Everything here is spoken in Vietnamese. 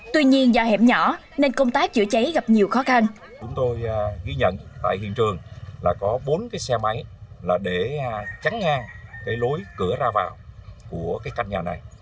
tuy nhiên do hẻm nhỏ nên công tác chữa cháy gặp nhiều khó khăn